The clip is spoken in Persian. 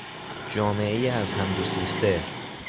جامعهی از هم گسیخته